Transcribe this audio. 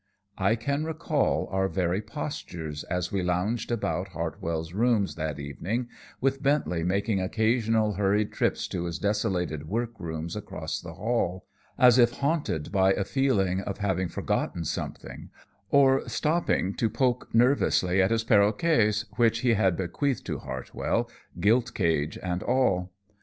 I can recall our very postures as we lounged about Hartwell's rooms that evening, with Bentley making occasional hurried trips to his desolated workrooms across the hall as if haunted by a feeling of having forgotten something or stopping to poke nervously at his perroquets, which he had bequeathed to Hartwell, gilt cage and all.